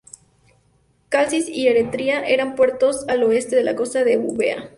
Calcis y Eretria eran puertos al oeste de la costa de Eubea.